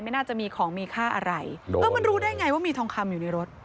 ไม่น่าจะมีของมีค่าอะไรเออมันรู้ได้ไงว่ามีทองคำอยู่ในรถ